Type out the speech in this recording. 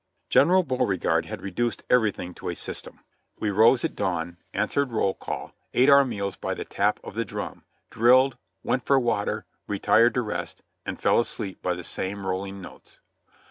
General Beauregard had reduced everything to a "system." 46 JOHNNY REB AND BILLY YANK We rose at dawn, answered roll call, ate our meals by the tap of the drum, drilled, went for water, retired to rest and fell asleep by the same rolling notes.